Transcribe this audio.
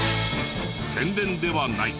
宣伝ではない。